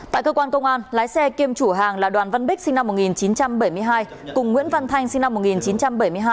tại cơ quan công an lái xe kiêm chủ hàng là đoàn văn bích sinh năm một nghìn chín trăm bảy mươi hai cùng nguyễn văn thanh sinh năm một nghìn chín trăm bảy mươi hai